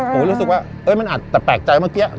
ผมรู้สึกว่ามันอาจจะแปลกใจเมื่อกี้